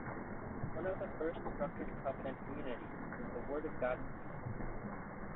One of the first structured covenant communities was the Word of God Community.